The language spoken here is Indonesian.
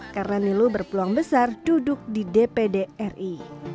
karena nilo berpeluang besar duduk di dpd ri